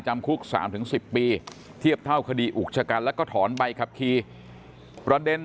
จำคุก๓๑๐ปีเทียบเท่าคดีอุกชะกันแล้วก็ถอนใบขับขี่ประเด็น